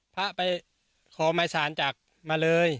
พระไปขอหมายสารจากมาเลย